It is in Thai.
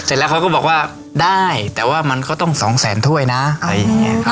เสร็จแล้วเขาก็บอกว่าได้แต่ว่ามันก็ต้องสองแสนถ้วยนะอะไรอย่างเงี้ยครับ